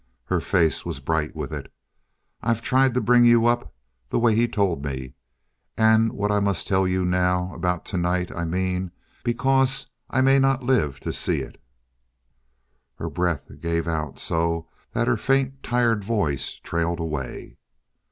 Her face was bright with it. "I've tried to bring you up the way he told me. And what I must tell you now about tonight, I mean because I may not live to see it " Her breath gave out so that her faint tired voice trailed away.